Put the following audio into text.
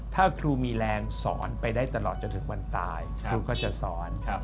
ถ้าครูมีแรงสอนไปได้ตลอดจนถึงวันตายครูก็จะสอน